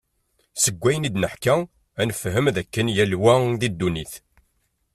Seg wayen id-neḥka ad nefhem, d akken yal wa di ddunit.